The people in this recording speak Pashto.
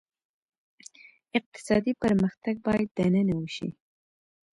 اقتصادي پرمختګ باید دننه وشي.